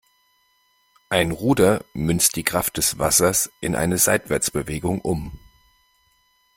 Ein Ruder münzt die Kraft des Wassers in eine Seitwärtsbewegung um.